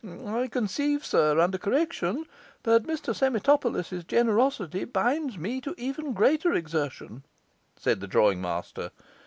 'I conceive, sir, under correction, that Mr Semitopolis's generosity binds me to even greater exertion,' said the drawing master.